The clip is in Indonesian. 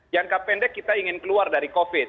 jangka pendek kita ingin keluar dari covid